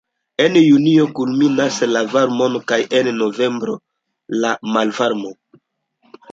En junio kulminas la varmo kaj en novembro la malvarmo.